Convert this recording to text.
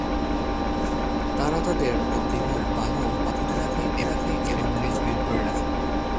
তারা তাদের মাথা ও দেহ বালির মধ্যে পুঁতে রাখে এবং লেজ বের করে রাখে।